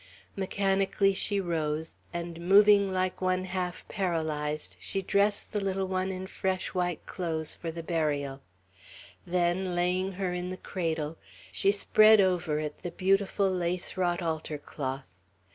Mechanically she rose, and, moving like one half paralyzed, she dressed the little one in fresh white clothes for the burial; then laying her in the cradle, she spread over it the beautiful lace wrought altar cloth.